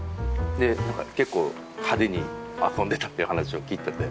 でなんか結構派手に遊んでたっていう話を聞いてて。